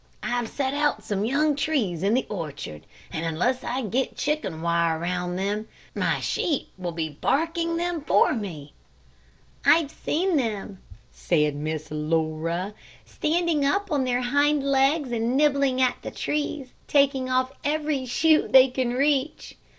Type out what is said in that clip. I've set out some young trees in the orchard, and unless I get chicken wire around them, my sheep will be barking them for me." "I've seen them," said Miss Laura, "standing up on their hind legs and nibbling at the trees, taking off every shoot they can reach."